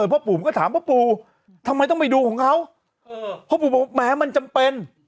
พ่อปู่ก็ถามพ่อปู่ทำไมต้องไปดูของเขาพ่อปู่บอกแหมมันจำเป็น